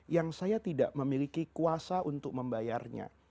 yang saya tidak memiliki kuasa untuk membayarnya